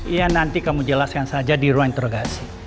iya nanti kamu jelaskan saja di ruang interogasi